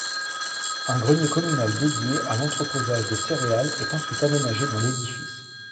Un grenier communal dédié à l'entreposage des céréales est ensuite aménagé dans l'édifice.